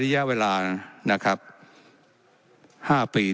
และยังเป็นประธานกรรมการอีก